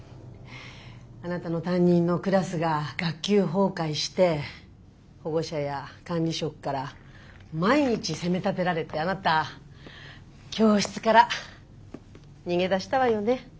あなたの担任のクラスが学級崩壊して保護者や管理職から毎日責めたてられてあなた教室から逃げ出したわよね。